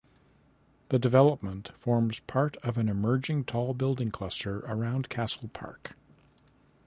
The development forms part of an emerging tall building cluster around Castle Park.